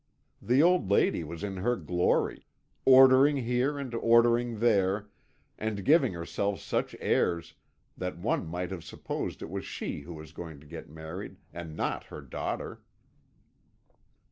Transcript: The old lady was in her glory, ordering here and ordering there, and giving herself such airs that one might have supposed it was she who was going to get married, and not her daughter.